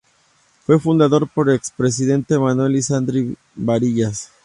Fue fundado por el expresidente Manuel Lisandro Barillas.